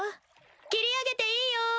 切り上げていいよ！